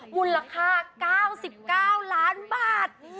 มูลค่า๙๙ล้านบาท